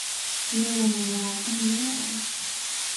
No, my lad, I know.